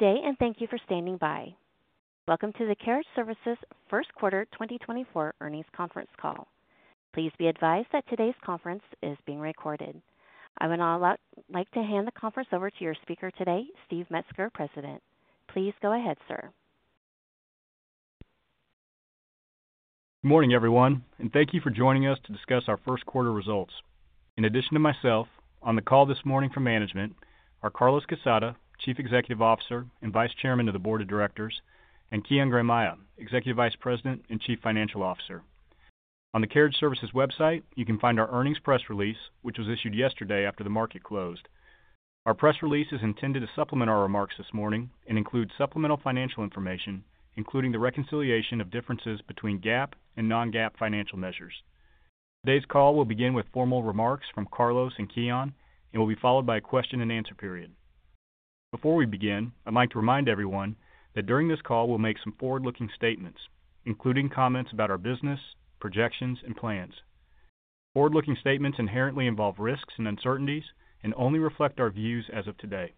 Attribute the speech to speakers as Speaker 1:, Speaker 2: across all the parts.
Speaker 1: Good day, and thank you for standing by. Welcome to the Carriage Services First Quarter 2024 earnings conference call. Please be advised that today's conference is being recorded. I would now like to hand the conference over to your speaker today, Steve Metzger, President. Please go ahead, sir.
Speaker 2: Good morning, everyone, and thank you for joining us to discuss our first quarter results. In addition to myself, on the call this morning from management are Carlos Quezada, Chief Executive Officer and Vice Chairman of the Board of Directors, and Kian Granmayeh, Executive Vice President and Chief Financial Officer. On the Carriage Services website, you can find our earnings press release, which was issued yesterday after the market closed. Our press release is intended to supplement our remarks this morning and include supplemental financial information, including the reconciliation of differences between GAAP and non-GAAP financial measures. Today's call will begin with formal remarks from Carlos and Kian, and will be followed by a question-and-answer period. Before we begin, I'd like to remind everyone that during this call we'll make some forward-looking statements, including comments about our business, projections, and plans. Forward-looking statements inherently involve risks and uncertainties and only reflect our views as of today.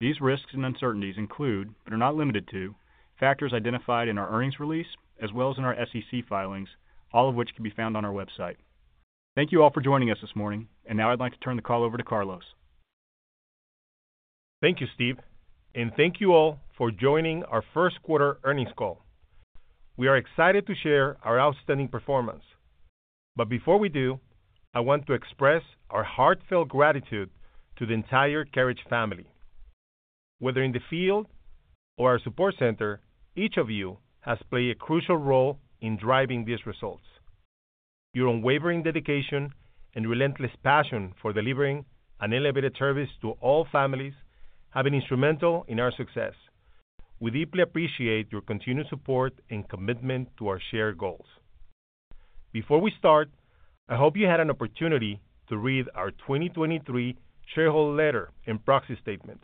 Speaker 2: These risks and uncertainties include, but are not limited to, factors identified in our earnings release as well as in our SEC filings, all of which can be found on our website. Thank you all for joining us this morning, and now I'd like to turn the call over to Carlos.
Speaker 3: Thank you, Steve, and thank you all for joining our first quarter earnings call. We are excited to share our outstanding performance, but before we do, I want to express our heartfelt gratitude to the entire Carriage family. Whether in the field or our support center, each of you has played a crucial role in driving these results. Your unwavering dedication and relentless passion for delivering an elevated service to all families have been instrumental in our success. We deeply appreciate your continued support and commitment to our shared goals. Before we start, I hope you had an opportunity to read our 2023 shareholder letter and proxy statement.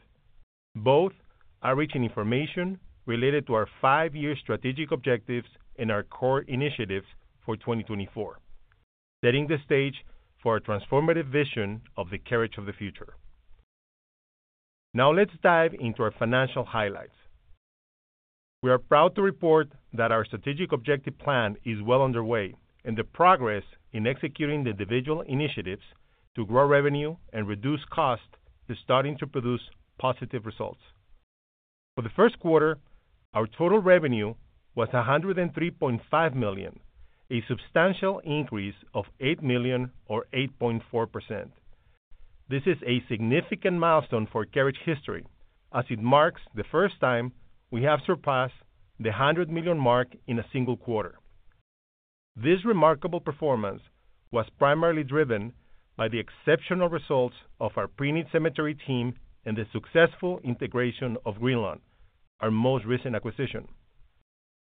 Speaker 3: Both outreach and information related to our five-year strategic objectives and our core initiatives for 2024, setting the stage for our transformative vision of the Carriage of the future. Now let's dive into our financial highlights. We are proud to report that our strategic objective plan is well underway and the progress in executing the individual initiatives to grow revenue and reduce costs is starting to produce positive results. For the first quarter, our total revenue was $103.5 million, a substantial increase of $8 million or 8.4%. This is a significant milestone for Carriage history as it marks the first time we have surpassed the $100 million mark in a single quarter. This remarkable performance was primarily driven by the exceptional results of our pre-need cemetery team and the successful integration of Greenlawn, our most recent acquisition.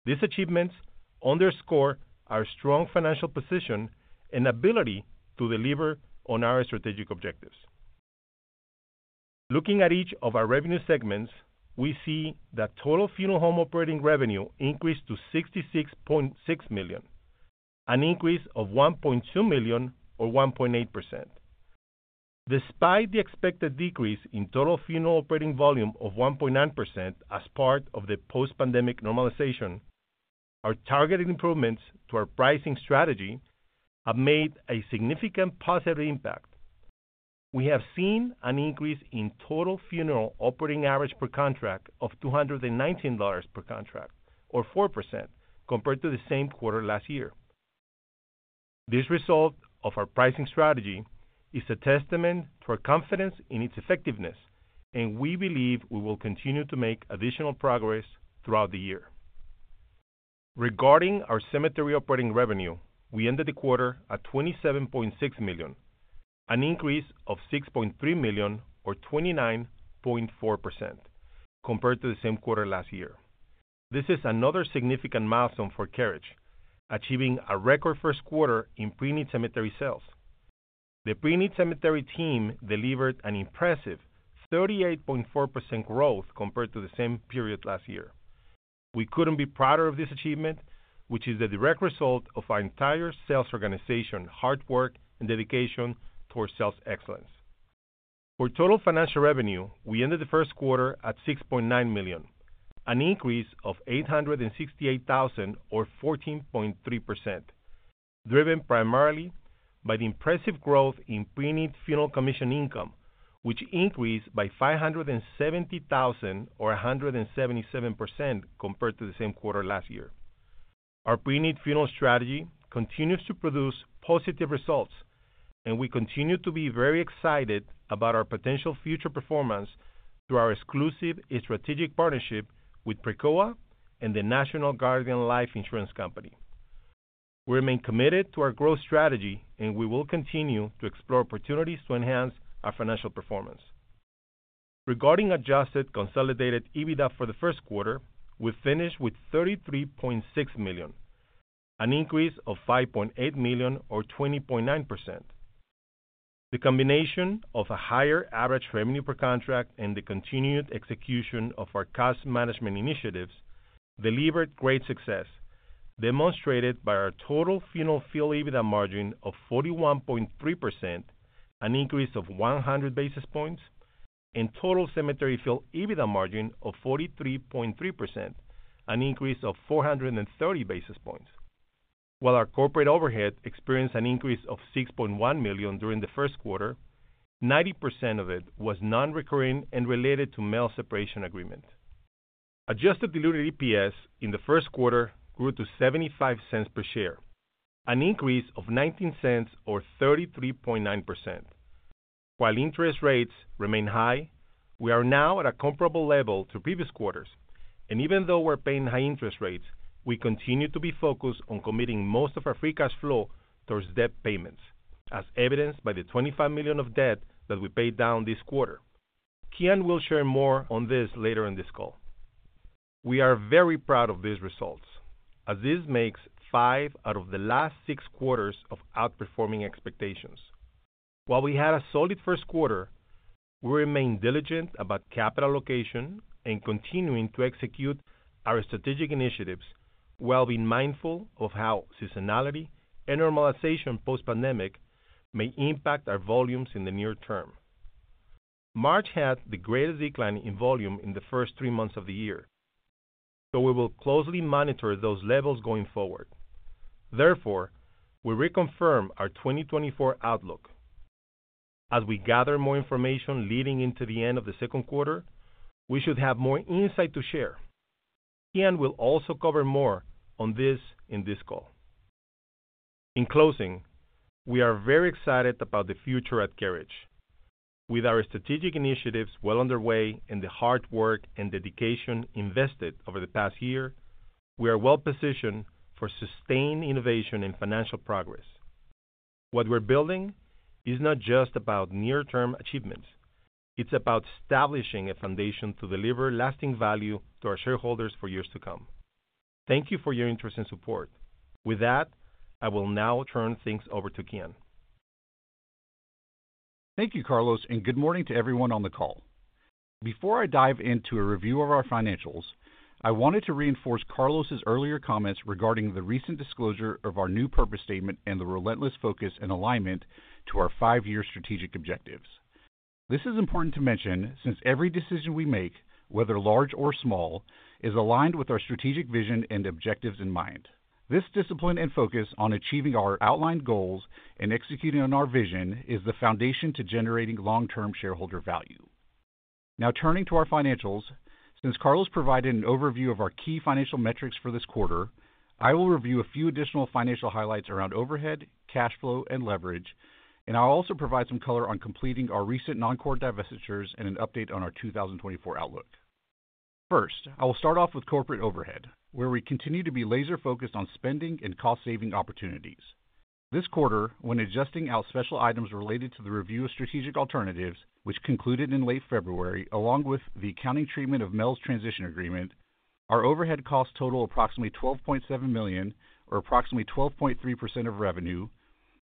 Speaker 3: These achievements underscore our strong financial position and ability to deliver on our strategic objectives. Looking at each of our revenue segments, we see that total funeral home operating revenue increased to $66.6 million, an increase of $1.2 million or 1.8%. Despite the expected decrease in total funeral operating volume of 1.9% as part of the post-pandemic normalization, our targeted improvements to our pricing strategy have made a significant positive impact. We have seen an increase in total funeral operating average per contract of $219 per contract, or 4%, compared to the same quarter last year. This result of our pricing strategy is a testament to our confidence in its effectiveness, and we believe we will continue to make additional progress throughout the year. Regarding our cemetery operating revenue, we ended the quarter at $27.6 million, an increase of $6.3 million or 29.4%, compared to the same quarter last year. This is another significant milestone for Carriage, achieving a record first quarter in Pre-Need Cemetery sales. The pre-need cemetery team delivered an impressive 38.4% growth compared to the same period last year. We couldn't be prouder of this achievement, which is the direct result of our entire sales organization's hard work and dedication towards sales excellence. For total financial revenue, we ended the first quarter at $6.9 million, an increase of $868,000 or 14.3%, driven primarily by the impressive growth in pre-need funeral commission income, which increased by $570,000 or 177% compared to the same quarter last year. Our pre-need funeral strategy continues to produce positive results, and we continue to be very excited about our potential future performance through our exclusive strategic partnership with Precoa and the National Guardian Life Insurance Company. We remain committed to our growth strategy, and we will continue to explore opportunities to enhance our financial performance. Regarding adjusted Consolidated EBITDA for the first quarter, we finished with $33.6 million, an increase of $5.8 million or 20.9%. The combination of a higher average revenue per contract and the continued execution of our cost management initiatives delivered great success, demonstrated by our total funeral field EBITDA margin of 41.3%, an increase of 100 basis points, and total cemetery field EBITDA margin of 43.3%, an increase of 430 basis points. While our corporate overhead experienced an increase of $6.1 million during the first quarter, 90% of it was non-recurring and related to management separation agreement. Adjusted diluted EPS in the first quarter grew to $0.75 per share, an increase of $0.19 or 33.9%. While interest rates remain high, we are now at a comparable level to previous quarters, and even though we're paying high interest rates, we continue to be focused on committing most of our free cash flow towards debt payments, as evidenced by the $25 million of debt that we paid down this quarter. Kian will share more on this later in this call. We are very proud of these results, as this makes five out of the last six quarters of outperforming expectations. While we had a solid first quarter, we remained diligent about capital allocation and continuing to execute our strategic initiatives while being mindful of how seasonality and normalization post-pandemic may impact our volumes in the near term. March had the greatest decline in volume in the first three months of the year, so we will closely monitor those levels going forward. Therefore, we reconfirm our 2024 outlook. As we gather more information leading into the end of the second quarter, we should have more insight to share. Kian will also cover more on this in this call. In closing, we are very excited about the future at Carriage. With our strategic initiatives well underway and the hard work and dedication invested over the past year, we are well positioned for sustained innovation and financial progress. What we're building is not just about near-term achievements. It's about establishing a foundation to deliver lasting value to our shareholders for years to come. Thank you for your interest and support. With that, I will now turn things over to Kian.
Speaker 4: Thank you, Carlos, and good morning to everyone on the call. Before I dive into a review of our financials, I wanted to reinforce Carlos's earlier comments regarding the recent disclosure of our new purpose statement and the relentless focus and alignment to our five-year strategic objectives. This is important to mention since every decision we make, whether large or small, is aligned with our strategic vision and objectives in mind. This discipline and focus on achieving our outlined goals and executing on our vision is the foundation to generating long-term shareholder value. Now turning to our financials, since Carlos provided an overview of our key financial metrics for this quarter, I will review a few additional financial highlights around overhead, cash flow, and leverage, and I'll also provide some color on completing our recent non-core divestitures and an update on our 2024 outlook. First, I will start off with corporate overhead, where we continue to be laser-focused on spending and cost-saving opportunities. This quarter, when adjusting out special items related to the review of strategic alternatives, which concluded in late February along with the accounting treatment of Mel's transition agreement, our overhead costs total approximately $12.7 million or approximately 12.3% of revenue,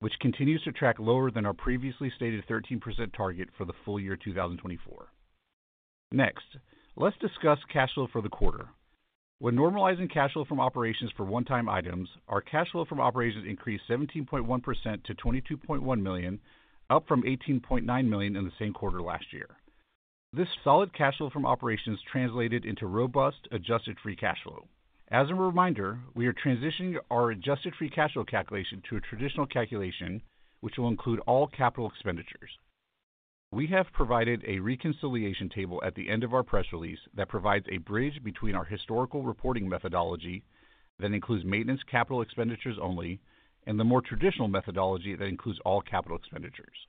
Speaker 4: which continues to track lower than our previously stated 13% target for the full year 2024. Next, let's discuss cash flow for the quarter. When normalizing cash flow from operations for one-time items, our cash flow from operations increased 17.1% to $22.1 million, up from $18.9 million in the same quarter last year. This solid cash flow from operations translated into robust adjusted free cash flow. As a reminder, we are transitioning our adjusted free cash flow calculation to a traditional calculation, which will include all capital expenditures. We have provided a reconciliation table at the end of our press release that provides a bridge between our historical reporting methodology that includes maintenance capital expenditures only and the more traditional methodology that includes all capital expenditures.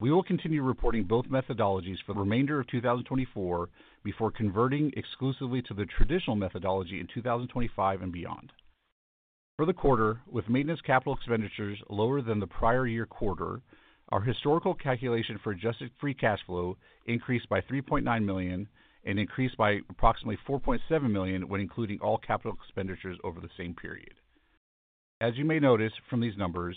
Speaker 4: We will continue reporting both methodologies for the remainder of 2024 before converting exclusively to the traditional methodology in 2025 and beyond. For the quarter, with maintenance capital expenditures lower than the prior year quarter, our historical calculation for adjusted free cash flow increased by $3.9 million and increased by approximately $4.7 million when including all capital expenditures over the same period. As you may notice from these numbers,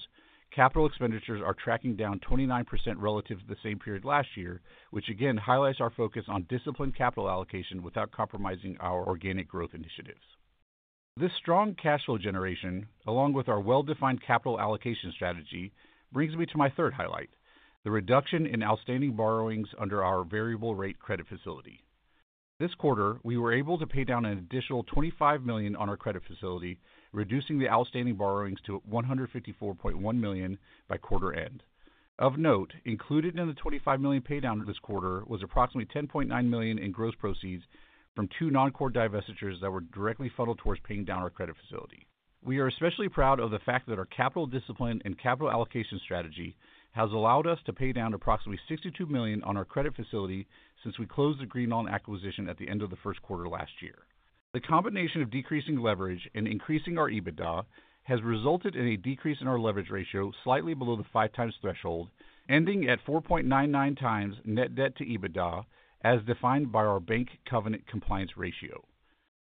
Speaker 4: capital expenditures are tracking down 29% relative to the same period last year, which again highlights our focus on disciplined capital allocation without compromising our organic growth initiatives. This strong cash flow generation, along with our well-defined capital allocation strategy, brings me to my third highlight, the reduction in outstanding borrowings under our variable-rate credit facility. This quarter, we were able to pay down an additional $25 million on our credit facility, reducing the outstanding borrowings to $154.1 million by quarter end. Of note, included in the $25 million paydown this quarter was approximately $10.9 million in gross proceeds from two non-core divestitures that were directly funneled towards paying down our credit facility. We are especially proud of the fact that our capital discipline and capital allocation strategy has allowed us to pay down approximately $62 million on our credit facility since we closed the Greenlawn acquisition at the end of the first quarter last year. The combination of decreasing leverage and increasing our EBITDA has resulted in a decrease in our leverage ratio slightly below the five times threshold, ending at 4.99 times net debt to EBITDA as defined by our bank covenant compliance ratio.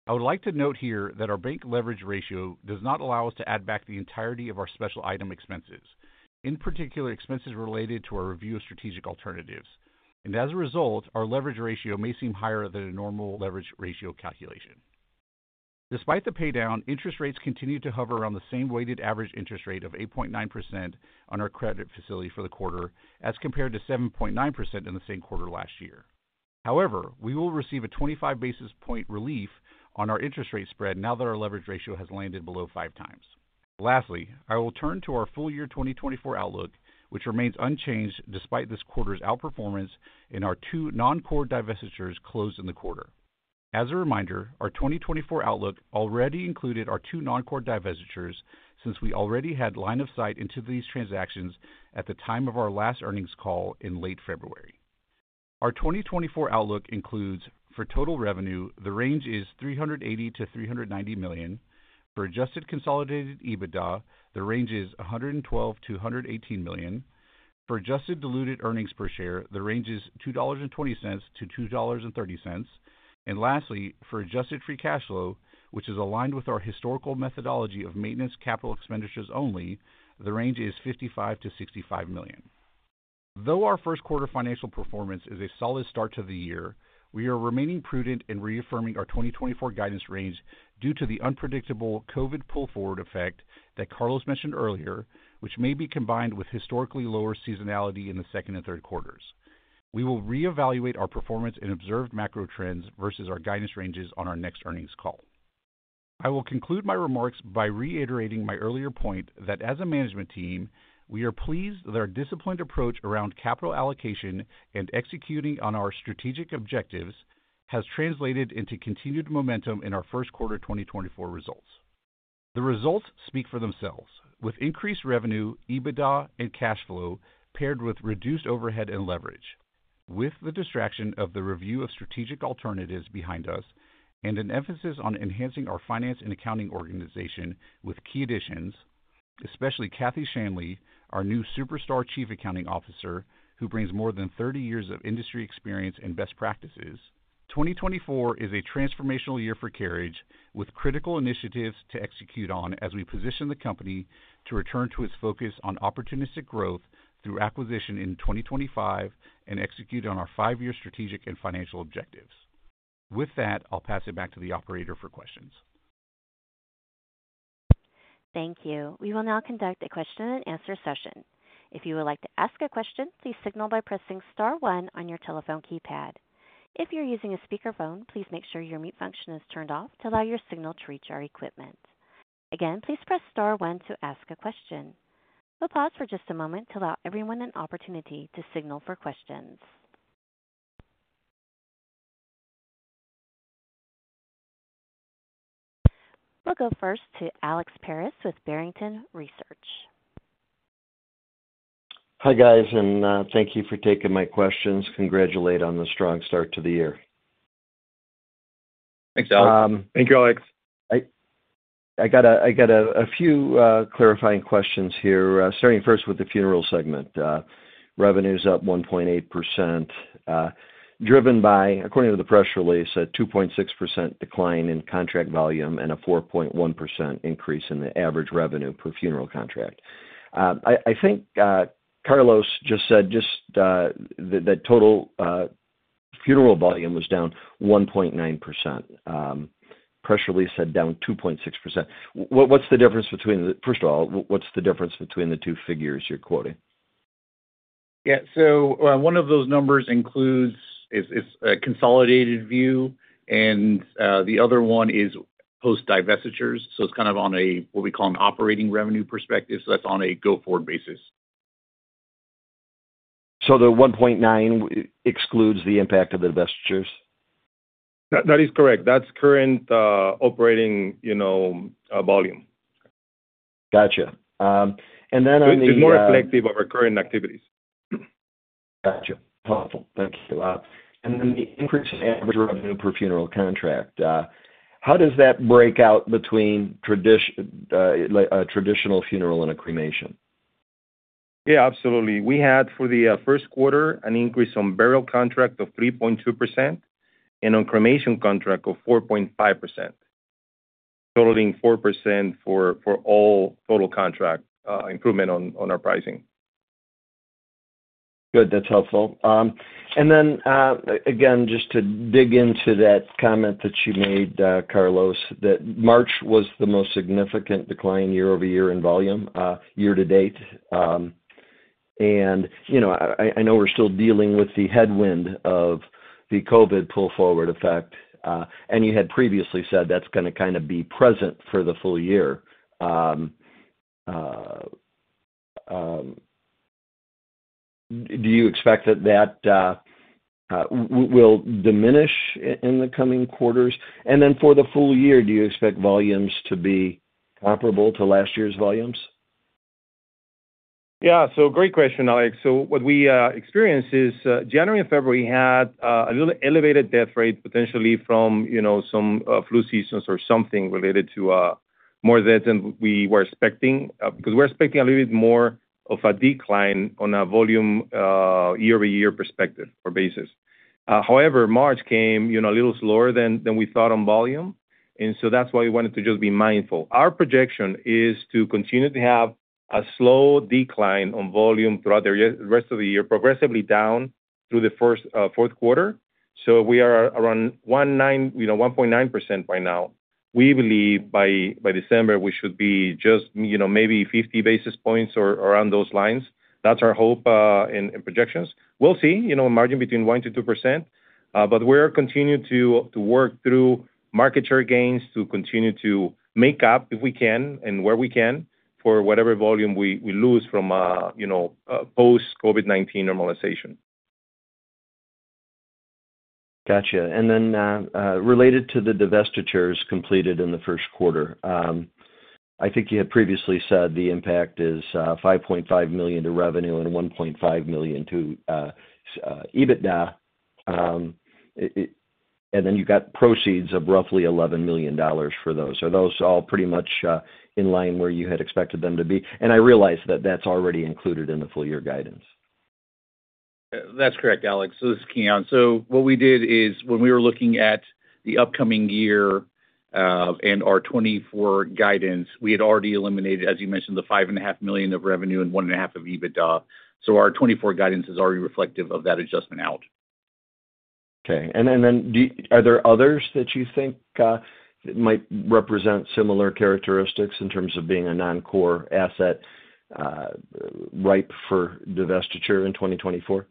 Speaker 4: I would like to note here that our bank leverage ratio does not allow us to add back the entirety of our special item expenses, in particular expenses related to our review of strategic alternatives, and as a result, our leverage ratio may seem higher than a normal leverage ratio calculation. Despite the paydown, interest rates continue to hover around the same weighted average interest rate of 8.9% on our credit facility for the quarter as compared to 7.9% in the same quarter last year. However, we will receive a 25 basis point relief on our interest rate spread now that our leverage ratio has landed below five times. Lastly, I will turn to our full year 2024 outlook, which remains unchanged despite this quarter's outperformance in our two non-core divestitures closed in the quarter. As a reminder, our 2024 outlook already included our two non-core divestitures since we already had line of sight into these transactions at the time of our last earnings call in late February. Our 2024 outlook includes, for total revenue, the range is $380-$390 million. For adjusted consolidated EBITDA, the range is $112 million-$118 million. For adjusted diluted earnings per share, the range is $2.20-$2.30. And lastly, for adjusted free cash flow, which is aligned with our historical methodology of maintenance capital expenditures only, the range is $55 million-$65 million. Though our first quarter financial performance is a solid start to the year, we are remaining prudent in reaffirming our 2024 guidance range due to the unpredictable COVID pull-forward effect that Carlos mentioned earlier, which may be combined with historically lower seasonality in the second and third quarters. We will reevaluate our performance and observed macro trends versus our guidance ranges on our next earnings call. I will conclude my remarks by reiterating my earlier point that as a management team, we are pleased that our disciplined approach around capital allocation and executing on our strategic objectives has translated into continued momentum in our first quarter 2024 results. The results speak for themselves, with increased revenue, EBITDA, and cash flow paired with reduced overhead and leverage. With the distraction of the review of strategic alternatives behind us and an emphasis on enhancing our finance and accounting organization with key additions, especially Kathryn Shanley, our new superstar chief accounting officer who brings more than 30 years of industry experience and best practices, 2024 is a transformational year for Carriage with critical initiatives to execute on as we position the company to return to its focus on opportunistic growth through acquisition in 2025 and execute on our five-year strategic and financial objectives. With that, I'll pass it back to the operator for questions.
Speaker 1: Thank you. We will now conduct a question-and-answer session. If you would like to ask a question, please signal by pressing star one on your telephone keypad. If you're using a speakerphone, please make sure your mute function is turned off to allow your signal to reach our equipment. Again, please press star one to ask a question. We'll pause for just a moment to allow everyone an opportunity to signal for questions. We'll go first to Alex Paris with Barrington Research.
Speaker 5: Hi guys, and thank you for taking my questions. Congratulations on the strong start to the year.
Speaker 2: Thanks, Alex.
Speaker 4: Thank you, Alex.
Speaker 5: I got a few clarifying questions here, starting first with the funeral segment. Revenue is up 1.8%, driven by, according to the press release, a 2.6% decline in contract volume and a 4.1% increase in the average revenue per funeral contract. I think Carlos just said that total funeral volume was down 1.9%. Press release said down 2.6%. What's the difference between the first of all, what's the difference between the two figures you're quoting?
Speaker 4: Yeah, so one of those numbers includes, it's a consolidated view, and the other one is post-divestitures. So it's kind of on a what we call an operating revenue perspective. So that's on a go-forward basis.
Speaker 5: The 1.9 excludes the impact of the divestitures?
Speaker 3: That is correct. That's current operating volume.
Speaker 5: Gotcha. And then on the.
Speaker 3: It's more reflective of our current activities.
Speaker 5: Gotcha. Helpful. Thank you a lot. And then the increase in average revenue per funeral contract, how does that break out between a traditional funeral and a cremation?
Speaker 3: Yeah, absolutely. We had for the first quarter an increase on burial contract of 3.2% and on cremation contract of 4.5%, totaling 4% for all total contract improvement on our pricing.
Speaker 5: Good. That's helpful. And then again, just to dig into that comment that you made, Carlos, that March was the most significant decline year-over-year in volume year-to-date. And I know we're still dealing with the headwind of the COVID pull-forward effect, and you had previously said that's going to kind of be present for the full year. Do you expect that that will diminish in the coming quarters? And then for the full year, do you expect volumes to be comparable to last year's volumes?
Speaker 3: Yeah. So great question, Alex. So what we experienced is January and February had a little elevated death rate, potentially from some flu seasons or something related to more deaths than we were expecting because we're expecting a little bit more of a decline on a volume year-over-year perspective or basis. However, March came a little slower than we thought on volume, and so that's why we wanted to just be mindful. Our projection is to continue to have a slow decline on volume throughout the rest of the year, progressively down through the fourth quarter. So we are around 1.9% by now. We believe by December, we should be just maybe 50 basis points or around those lines. That's our hope and projections. We'll see, a margin between 1%-2%. But we're continuing to work through market share gains to continue to make up if we can and where we can for whatever volume we lose from post-COVID-19 normalization.
Speaker 5: Gotcha. Then related to the divestitures completed in the first quarter, I think you had previously said the impact is $5.5 million to revenue and $1.5 million to EBITDA. Then you got proceeds of roughly $11 million for those. Are those all pretty much in line where you had expected them to be? I realize that that's already included in the full year guidance.
Speaker 4: That's correct, Alex. So this is Kian. So what we did is when we were looking at the upcoming year and our 2024 guidance, we had already eliminated, as you mentioned, the $5.5 million of revenue and $1.5 million of EBITDA. So our 2024 guidance is already reflective of that adjustment out.
Speaker 5: Okay. And then are there others that you think might represent similar characteristics in terms of being a non-core asset ripe for divestiture in 2024?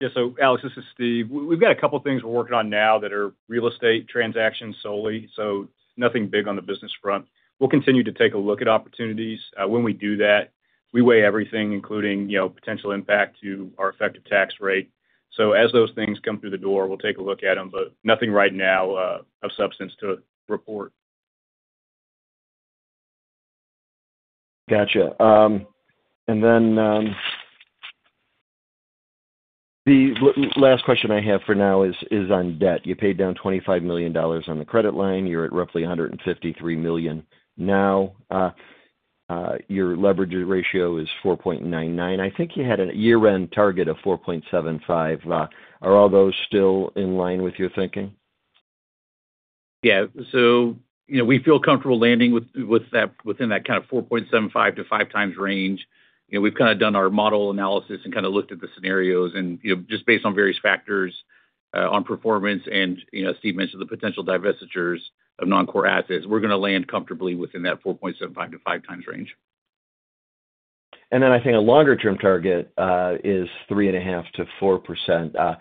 Speaker 2: Yeah. So Alex, this is Steve. We've got a couple of things we're working on now that are real estate transactions solely, so nothing big on the business front. We'll continue to take a look at opportunities. When we do that, we weigh everything, including potential impact to our effective tax rate. So as those things come through the door, we'll take a look at them, but nothing right now of substance to report.
Speaker 5: Gotcha. And then the last question I have for now is on debt. You paid down $25 million on the credit line. You're at roughly $153 million now. Your leverage ratio is 4.99. I think you had a year-end target of 4.75. Are all those still in line with your thinking?
Speaker 4: Yeah. So we feel comfortable landing within that kind of 4.75x-5x range. We've kind of done our model analysis and kind of looked at the scenarios. And just based on various factors on performance, and Steve mentioned the potential divestitures of non-core assets, we're going to land comfortably within that 4.75x-5x range.
Speaker 5: I think a longer-term target is 3.5%-4%.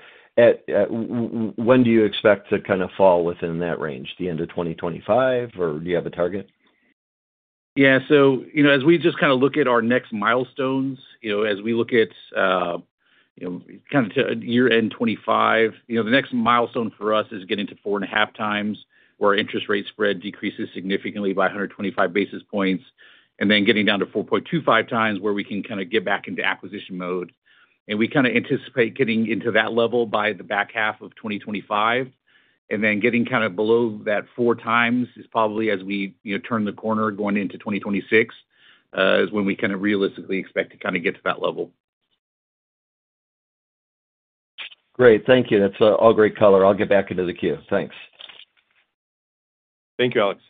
Speaker 5: When do you expect to kind of fall within that range, the end of 2025, or do you have a target?
Speaker 2: Yeah. So as we just kind of look at our next milestones, as we look at kind of year-end 2025, the next milestone for us is getting to 4.5x where our interest rate spread decreases significantly by 125 basis points, and then getting down to 4.25x where we can kind of get back into acquisition mode. And we kind of anticipate getting into that level by the back half of 2025. And then getting kind of below that 4x is probably as we turn the corner going into 2026 is when we kind of realistically expect to kind of get to that level.
Speaker 5: Great. Thank you. That's all great color. I'll get back into the queue. Thanks.
Speaker 2: Thank you, Alex.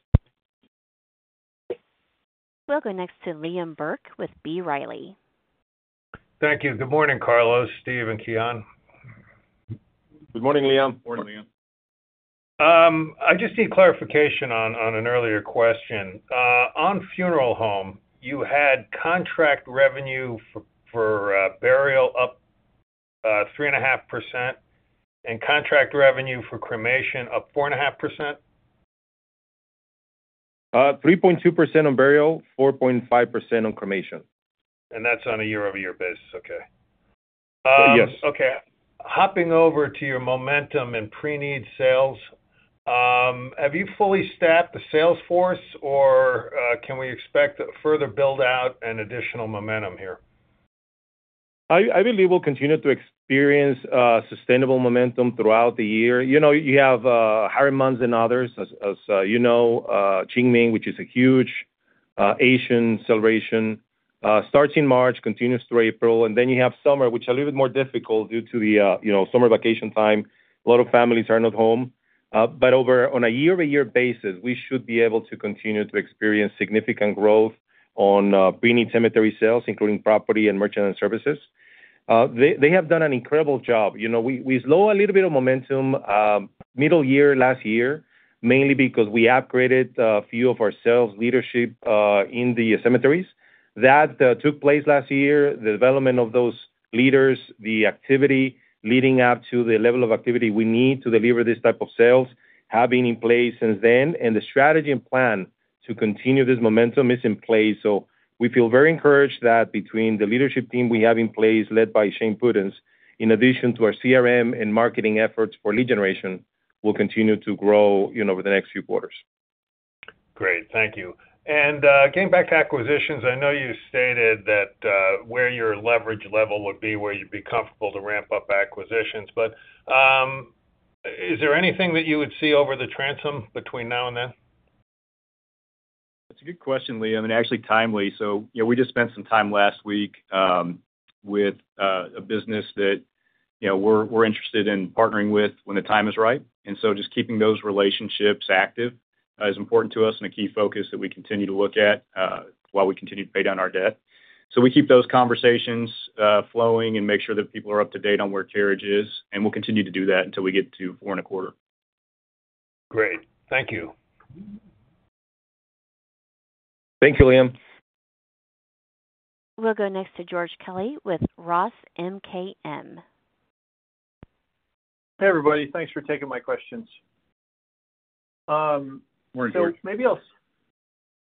Speaker 1: We'll go next to Liam Burke with B Riley.
Speaker 6: Thank you. Good morning, Carlos, Steve, and Kian.
Speaker 4: Good morning, Liam.
Speaker 6: Good morning, Liam. I just need clarification on an earlier question. On funeral home, you had contract revenue for burial up 3.5% and contract revenue for cremation up 4.5%?
Speaker 3: 3.2% on burial, 4.5% on cremation.
Speaker 6: That's on a year-over-year basis. Okay.
Speaker 3: Yes.
Speaker 6: Okay. Hopping over to your momentum and pre-need sales, have you fully staffed the sales force, or can we expect further buildout and additional momentum here?
Speaker 3: I believe we'll continue to experience sustainable momentum throughout the year. You have holiday months and others. As you know, Qingming, which is a huge Asian celebration, starts in March, continues through April. And then you have summer, which is a little bit more difficult due to the summer vacation time. A lot of families are not home. But on a year-over-year basis, we should be able to continue to experience significant growth on pre-need cemetery sales, including property and merchandise services. They have done an incredible job. We slowed a little bit of momentum mid-year last year, mainly because we upgraded a few of our sales leadership in the cemeteries. That took place last year. The development of those leaders, the activity leading up to the level of activity we need to deliver this type of sales, have been in place since then. The strategy and plan to continue this momentum is in place. We feel very encouraged that between the leadership team we have in place, led by Shane Pudenz, in addition to our CRM and marketing efforts for lead generation, will continue to grow over the next few quarters.
Speaker 6: Great. Thank you. Getting back to acquisitions, I know you stated that where your leverage level would be where you'd be comfortable to ramp up acquisitions. Is there anything that you would see over the transom between now and then?
Speaker 4: That's a good question, Liam, and actually timely. So we just spent some time last week with a business that we're interested in partnering with when the time is right. And so just keeping those relationships active is important to us and a key focus that we continue to look at while we continue to pay down our debt. So we keep those conversations flowing and make sure that people are up to date on where Carriage is. And we'll continue to do that until we get to 4.25.
Speaker 6: Great. Thank you.
Speaker 4: Thank you, Liam.
Speaker 1: We'll go next to George Kelly with Roth MKM.
Speaker 7: Hey, everybody. Thanks for taking my questions.
Speaker 4: We're here.
Speaker 6: So maybe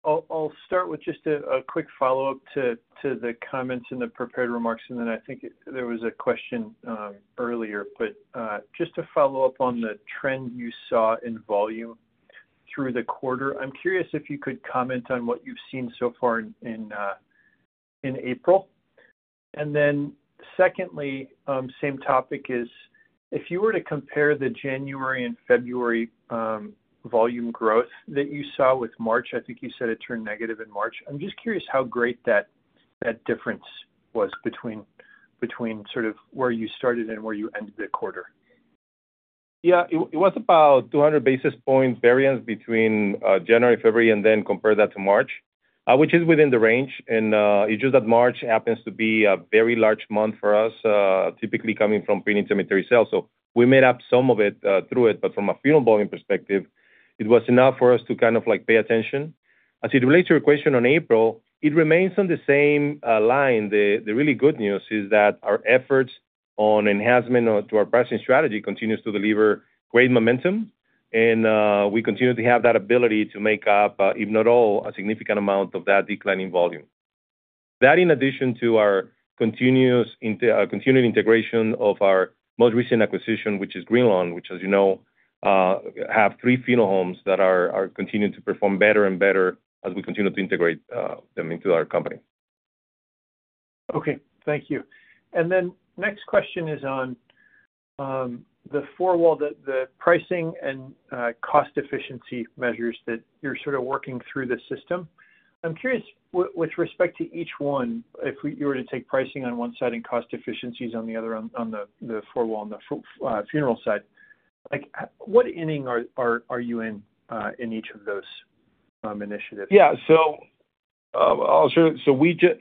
Speaker 6: I'll start with just a quick follow-up to the comments and the prepared remarks, and then I think there was a question earlier. But just to follow up on the trend you saw in volume through the quarter, I'm curious if you could comment on what you've seen so far in April. And then secondly, same topic is if you were to compare the January and February volume growth that you saw with March, I think you said it turned negative in March. I'm just curious how great that difference was between sort of where you started and where you ended the quarter.
Speaker 3: Yeah. It was about 200 basis points variance between January, February, and then compare that to March, which is within the range. And it's just that March happens to be a very large month for us, typically coming from pre-need cemetery sales. So we made up some of it through it. But from a funeral volume perspective, it was enough for us to kind of pay attention. As it relates to your question on April, it remains on the same line. The really good news is that our efforts on enhancement to our pricing strategy continues to deliver great momentum. And we continue to have that ability to make up, if not all, a significant amount of that decline in volume. That in addition to our continued integration of our most recent acquisition, which is Greenlawn, which, as you know, have three funeral homes that are continuing to perform better and better as we continue to integrate them into our company.
Speaker 7: Okay. Thank you. And then next question is on the four-wall, the pricing and cost efficiency measures that you're sort of working through the system. I'm curious, with respect to each one, if you were to take pricing on one side and cost efficiencies on the other, on the four-wall, on the funeral side, what inning are you in in each of those initiatives?
Speaker 3: Yeah. So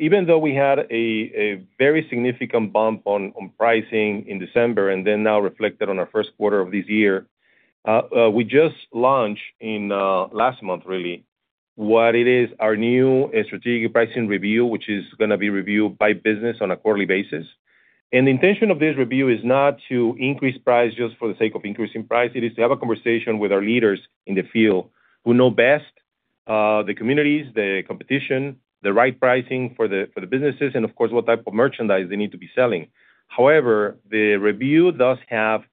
Speaker 3: even though we had a very significant bump on pricing in December and then now reflected on our first quarter of this year, we just launched last month, really, what it is, our new strategic pricing review, which is going to be reviewed by business on a quarterly basis. And the intention of this review is not to increase price just for the sake of increasing price. It is to have a conversation with our leaders in the field who know best the communities, the competition, the right pricing for the businesses, and, of course, what type of merchandise they need to be selling. However, the review does have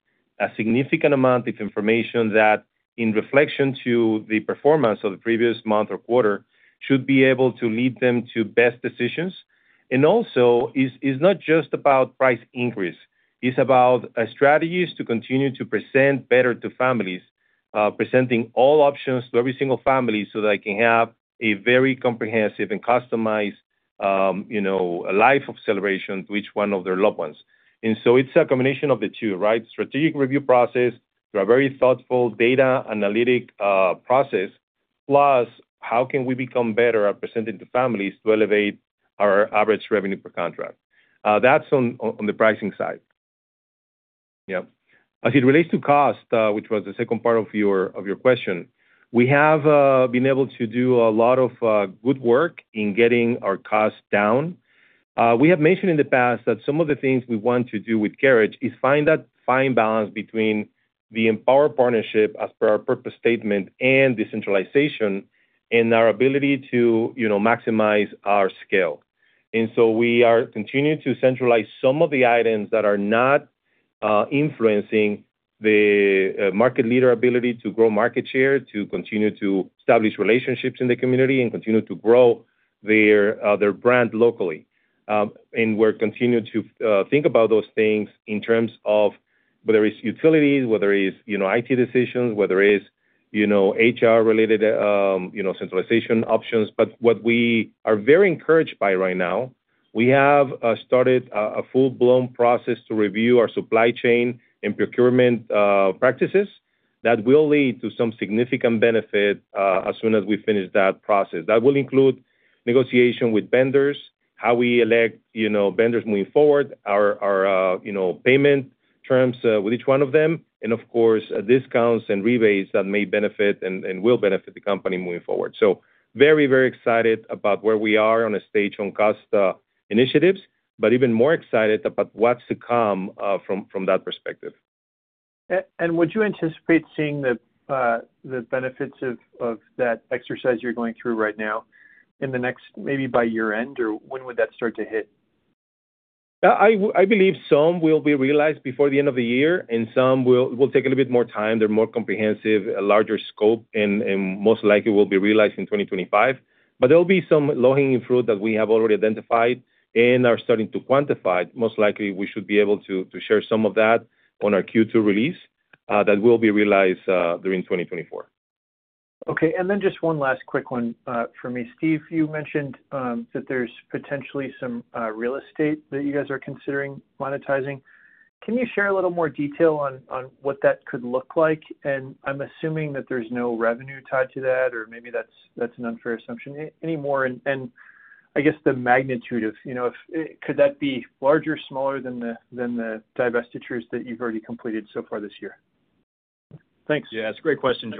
Speaker 3: a significant amount of information that, in reflection to the performance of the previous month or quarter, should be able to lead them to best decisions. And also, it's not just about price increase. It's about strategies to continue to present better to families, presenting all options to every single family so that they can have a very comprehensive and customized life of celebration to each one of their loved ones. And so it's a combination of the two, right? Strategic review process through a very thoughtful data analytic process, plus how can we become better at presenting to families to elevate our average revenue per contract. That's on the pricing side. Yeah. As it relates to cost, which was the second part of your question, we have been able to do a lot of good work in getting our costs down. We have mentioned in the past that some of the things we want to do with Carriage is find that fine balance between the empowered partnership as per our purpose statement and decentralization and our ability to maximize our scale. So we are continuing to centralize some of the items that are not influencing the market leader ability to grow market share, to continue to establish relationships in the community, and continue to grow their brand locally. We're continuing to think about those things in terms of whether it's utilities, whether it's IT decisions, whether it's HR-related centralization options. But what we are very encouraged by right now, we have started a full-blown process to review our supply chain and procurement practices that will lead to some significant benefit as soon as we finish that process. That will include negotiation with vendors, how we elect vendors moving forward, our payment terms with each one of them, and, of course, discounts and rebates that may benefit and will benefit the company moving forward. So very, very excited about where we are on the stage on cost initiatives, but even more excited about what's to come from that perspective.
Speaker 7: Would you anticipate seeing the benefits of that exercise you're going through right now in the next maybe by year-end, or when would that start to hit?
Speaker 3: I believe some will be realized before the end of the year, and some will take a little bit more time. They're more comprehensive, a larger scope, and most likely will be realized in 2025. But there'll be some low-hanging fruit that we have already identified and are starting to quantify. Most likely, we should be able to share some of that on our Q2 release that will be realized during 2024.
Speaker 7: Okay. And then just one last quick one for me. Steve, you mentioned that there's potentially some real estate that you guys are considering monetizing. Can you share a little more detail on what that could look like? And I'm assuming that there's no revenue tied to that, or maybe that's an unfair assumption, anymore. And I guess the magnitude could that be larger, smaller than the divestitures that you've already completed so far this year? Thanks.
Speaker 2: Yeah. That's a great question,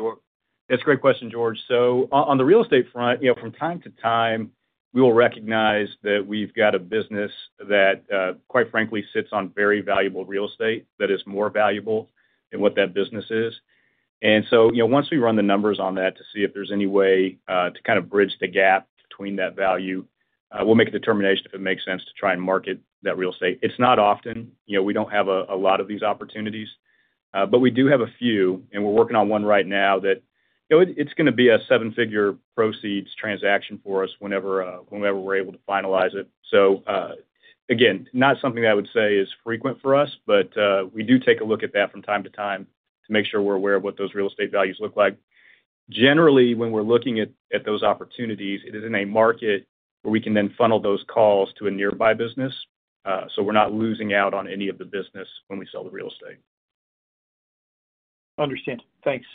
Speaker 2: George. That's a great question, George. So on the real estate front, from time to time, we will recognize that we've got a business that, quite frankly, sits on very valuable real estate that is more valuable than what that business is. And so once we run the numbers on that to see if there's any way to kind of bridge the gap between that value, we'll make a determination if it makes sense to try and market that real estate. It's not often. We don't have a lot of these opportunities. But we do have a few, and we're working on one right now that it's going to be a seven-figure proceeds transaction for us whenever we're able to finalize it. So again, not something that I would say is frequent for us, but we do take a look at that from time to time to make sure we're aware of what those real estate values look like. Generally, when we're looking at those opportunities, it is in a market where we can then funnel those calls to a nearby business so we're not losing out on any of the business when we sell the real estate.
Speaker 7: Understood. Thanks.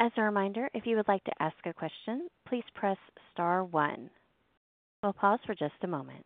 Speaker 2: Got it.
Speaker 1: As a reminder, if you would like to ask a question, please press star one. We'll pause for just a moment.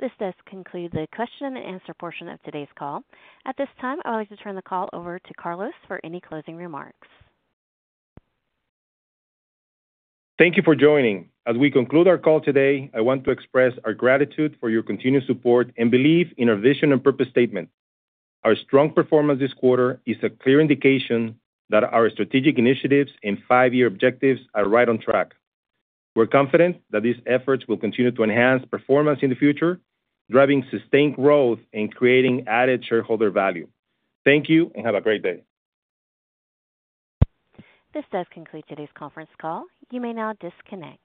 Speaker 1: This does conclude the question-and-answer portion of today's call. At this time, I would like to turn the call over to Carlos for any closing remarks.
Speaker 3: Thank you for joining. As we conclude our call today, I want to express our gratitude for your continued support and belief in our vision and purpose statement. Our strong performance this quarter is a clear indication that our strategic initiatives and five-year objectives are right on track. We're confident that these efforts will continue to enhance performance in the future, driving sustained growth and creating added shareholder value. Thank you and have a great day.
Speaker 1: This does conclude today's conference call. You may now disconnect.